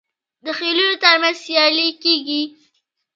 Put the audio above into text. د خیلونو ترمنځ سیالي کیږي.